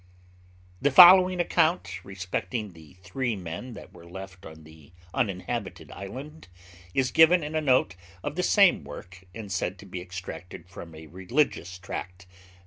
The following account respecting the three men that were left on the uninhabited island, is given in a note of the same work, and said to be extracted from a religious tract, No.